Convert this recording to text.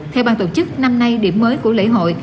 theo ban tổ chức năm nay điểm mới của lễ hội